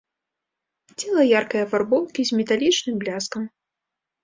Цела яркай афарбоўкі, з металічным бляскам.